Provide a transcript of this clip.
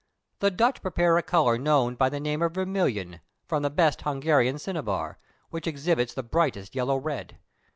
The Dutch prepare a colour known by the name of vermilion, from the best Hungarian cinnabar, which exhibits the brightest yellow red.